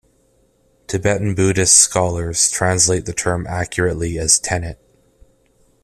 Tibetan Buddhists scholars translate the term accurately as 'tenet'.